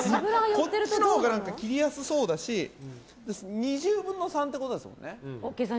こっちのほうが切りやすそうだし２０分の３っていうことですよね。